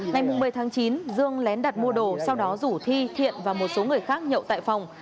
ngày một mươi tháng chín dương lén đặt mua đồ sau đó rủ thi thiện và một số người khác nhậu tại phòng